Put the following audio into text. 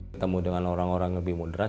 ketemu dengan orang orang lebih moderat